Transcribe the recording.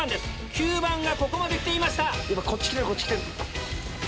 ９番がここまで来ていました。